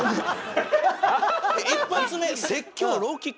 １発目説教ローキックって。